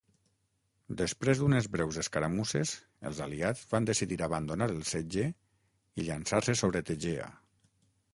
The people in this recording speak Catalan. Després d'unes breus escaramusses, els aliats van decidir abandonar el setge i llançar-se sobre Tegea.